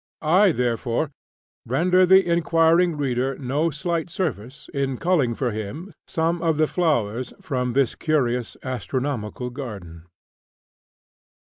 I, therefore, render the inquiring reader no slight service in culling for him some of the flowers from this curious astronomical garden.